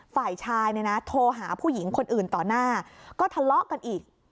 ฝ่ายชายเนี่ยนะโทรหาผู้หญิงคนอื่นต่อหน้าก็ทะเลาะกันอีก